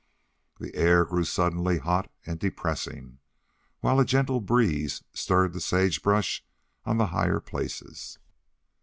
The air grew suddenly hot and depressing, while a gentle breeze stirred the sage brush on the higher places.